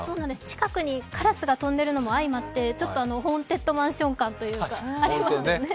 近くにカラスが飛んでいるのもあいまって、ホーンテッドマンション感がありますよね。